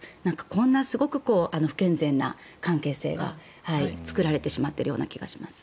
こんなすごく不健全な関係性が作られてしまっているような気がします。